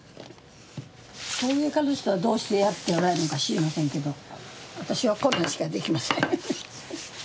陶芸家の人はどうしてやっておられるか知りませんけど私はこんなんしかできません。